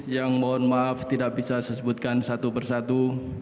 yang mohon maaf tidak bisa disebutkan satu persatu